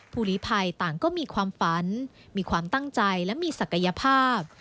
หลีภัยต่างก็มีความฝันมีความตั้งใจและมีศักยภาพ